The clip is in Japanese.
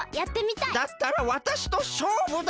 だったらわたしとしょうぶだ！